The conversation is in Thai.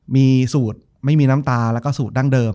มีสูตรไม่มีน้ำตาแล้วก็สูตรดั้งเดิม